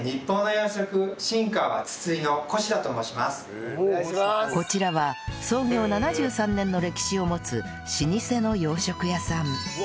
続いてこちらは創業７３年の歴史を持つ老舗の洋食屋さん